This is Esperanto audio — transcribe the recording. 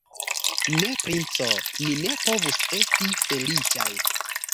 Ne, princo, ni ne povus esti feliĉaj.